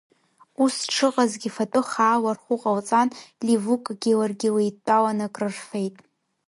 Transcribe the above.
Ус дшыҟазгьы фатәы хаала рхәы ҟалҵан, Ливукгьы ларгьы леидтәаланы акрырфеит.